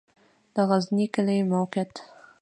د غزنی کلی موقعیت